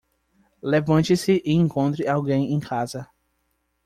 Levante-se e encontre alguém em casa